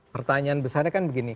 pertanyaan besarnya kan begini